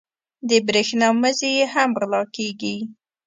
د برېښنا مزي یې هم غلا کېږي.